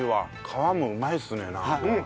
皮もうまいですねなんか。